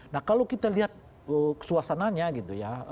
nah kalau kita lihat suasananya gitu ya